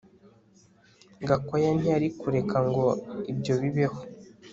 Gakwaya ntiyari kureka ngo ibyo bibeho